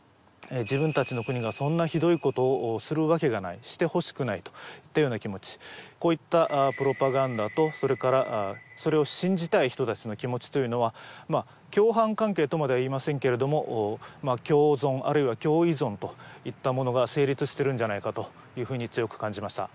自分たちの国がそんなひどいことをするわけがないしてほしくないといったような気持ちこういったプロパガンダとそれからそれを信じたい人たちの気持ちというのはまあ共犯関係とまではいいませんけれども共存あるいは共依存といったものが成立してるんじゃないかというふうに強く感じました